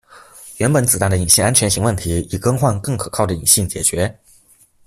原本子弹的引信安全型问题以更换更可靠的引信解决。